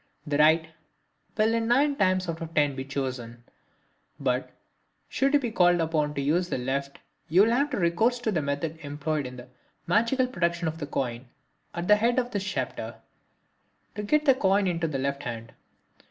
The right will in nine cases out of ten be chosen, but should you be called upon to use the left you will have recourse to the method employed in the "Magical Production of Coin" at the head of this chapter, to get the coin into the left hand.